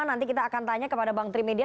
nanti kita akan tanya kepada bang trimedia